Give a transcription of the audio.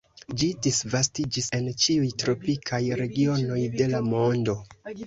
Ĝi disvastiĝis en ĉiuj tropikaj regionoj de la mondo.